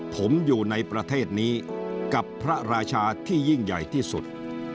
ผมอยู่ในประเทศนี้กับพระราชาที่ยิ่งใหญ่ที่สุด